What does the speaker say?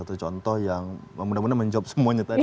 satu contoh yang mudah mudahan menjawab semuanya tadi